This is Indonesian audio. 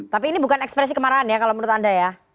tapi ini bukan ekspresi kemarahan ya kalau menurut anda ya